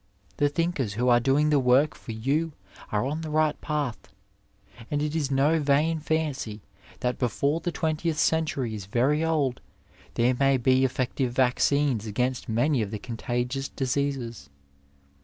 The thinkers who are doing the work for you are on the right path, and it is no vain fancy that before the twentieth century is very old there may be effective vaccines against many of the contagious diseases.